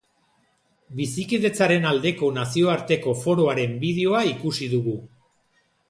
Bizikidetzaren aldeko Nazioarteko Foroaren bideoa ikusi dugu.